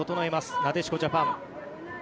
なでしこジャパン。